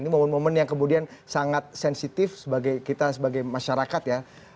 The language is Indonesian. ini momen momen yang kemudian sangat sensitif kita sebagai masyarakat ya